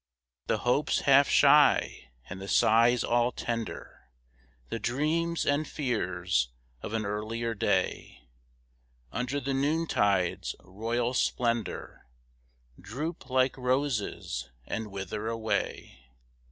The hopes half shy, and the sighs all tender, The dreams and fears of an earlier day, Under the noontide's royal splendour, Droop like roses and wither away.